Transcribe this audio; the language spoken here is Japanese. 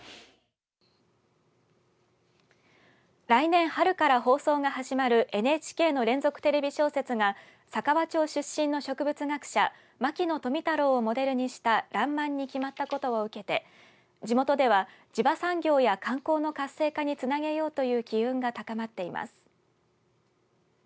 来年春から放送が始まるＮＨＫの連続テレビ小説が佐川町出身の植物学者牧野富太郎をモデルにしたらんまんに決まったことを受けて地元では地場産業や観光の活性化につなげようという機運が高まっています。